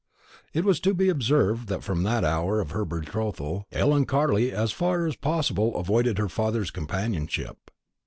It was to be observed that from the hour of her betrothal Ellen Carley as far as possible avoided her father's companionship.